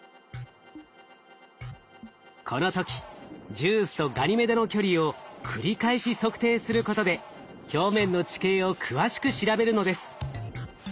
この時ＪＵＩＣＥとガニメデの距離を繰り返し測定することで表面の地形を詳しく調べるのです。